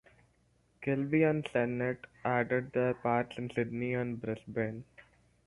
Kilbey and Sennett added their parts in Sydney and Brisbane.